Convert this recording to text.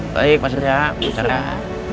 baik pak suria bu sarah